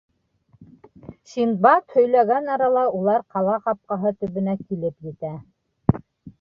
Синдбад һөйләгән арала, улар ҡала ҡапҡаһы төбөнә килеп етә.